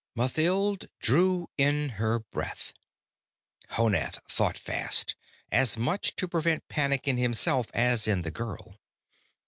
Mathild drew in her breath. Honath thought fast, as much to prevent panic in himself as in the girl.